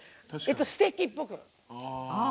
ステーキっぽく。